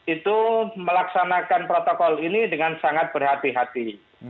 itu melaksanakan protokol ini dengan sangat berhati hati